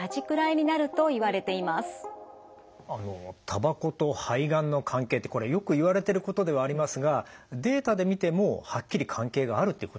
たばこと肺がんの関係ってこれよくいわれてることではありますがデータで見てもはっきり関係があるっていうことなんですね。